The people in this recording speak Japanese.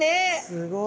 すごい。